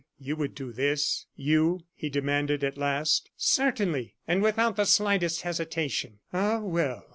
you would do this you?" he demanded, at last. "Certainly and without the slightest hesitation." "Ah, well!